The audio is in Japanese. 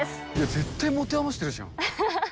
絶対持て余してるじゃん。